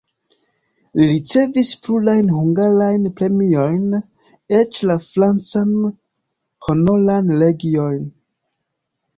Li ricevis plurajn hungarajn premiojn, eĉ la francan Honoran legion.